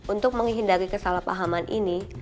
untuk menghindari kesalahpahaman ini